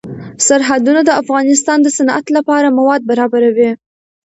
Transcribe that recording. سرحدونه د افغانستان د صنعت لپاره مواد برابروي.